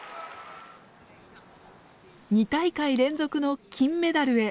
２大会連続の金メダルへ。